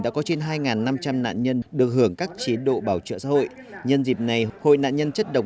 đã có trên hai năm trăm linh nạn nhân được hưởng các chế độ bảo trợ xã hội nhân dịp này hội nạn nhân chất độc